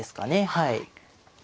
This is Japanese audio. はい。